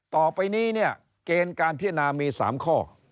ต่อไปนี้เนี่ยเกณฑ์การพิจารณามี๓ข้อ